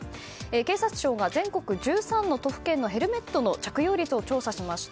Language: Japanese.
警察庁が全国１３の都府県のヘルメットの着用率を調査しました。